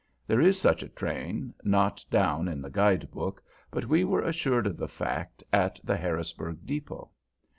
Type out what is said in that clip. There is such a train, not down in the guide book, but we were assured of the fact at the Harrisburg depot.